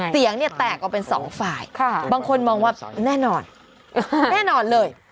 เสียงเนี่ยแตกออกเป็นสองฝ่ายบางคนมองว่าแน่นอนแน่นอนเลย